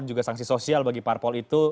juga sanksi sosial bagi parpol itu